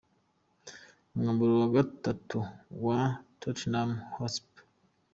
Umwambaro wa gatatu wa Tottenham Hotspur